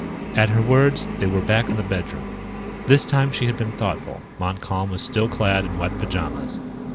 At her words, they were back in the bedroom. This time she had been thoughtful. Montcalm was still clad in wet pajamas.